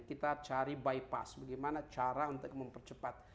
kita cari bypass bagaimana cara untuk mempercepat